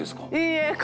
「いいえ。